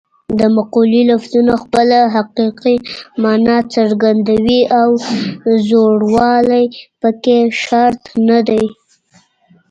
د مقولې لفظونه خپله حقیقي مانا څرګندوي او زوړوالی پکې شرط نه دی